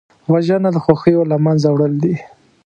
وژنه د خوښیو له منځه وړل دي